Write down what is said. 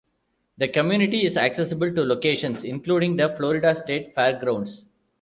The community is accessible to locations including the Florida State Fairgrounds.